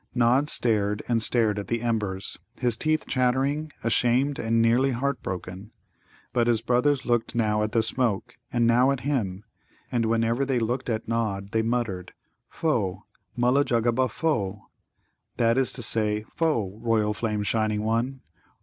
Nod stared and stared at the embers, his teeth chattering, ashamed and nearly heart broken. But his brothers looked now at the smoke, and now at him, and whenever they looked at Nod they muttered, "Foh! Mulla jugguba, foh!" that is to say, "Foh! Royal Flame Shining One!"